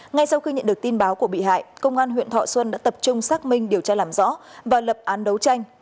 ngay sau khi nhận được tin báo của bị hại công an huyện thọ xuân đã tập trung xác minh điều tra làm rõ và lập án đấu tranh